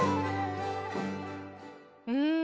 うん。